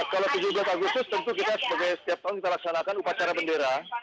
kalau tujuh belas agustus tentu kita sebagai setiap tahun kita laksanakan upacara bendera